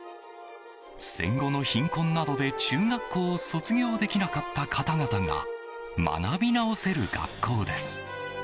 戦後の貧困などで中学校を卒業できなかった方々が学び直せる学校です。